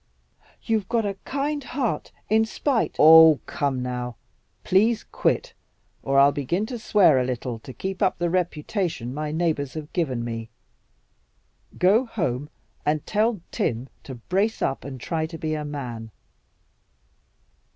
"You've got a kind heart, in spite " "Oh, come now! Please quit, or I'll begin to swear a little to keep up the reputation my neighbors have given me. Go home and tell Tim to brace up and try to be a man.